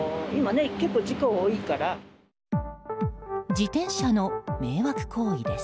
自転車の迷惑行為です。